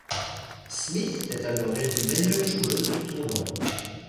Smith est alors élue meilleure joueuse du tournoi.